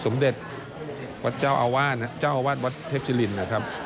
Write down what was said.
สมเด็จวัดเจ้าอาวาสวัดเทพชาณีนะครับ